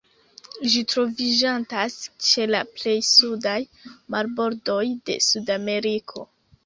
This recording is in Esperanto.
Ĝi troviĝantas ĉe la plej sudaj marbordoj de Sudameriko.